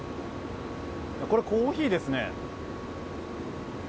これコーヒーですね。